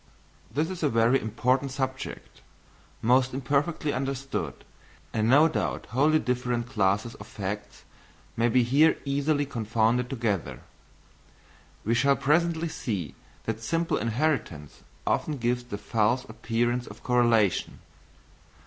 This is a very important subject, most imperfectly understood, and no doubt wholly different classes of facts may be here easily confounded together. We shall presently see that simple inheritance often gives the false appearance of correlation.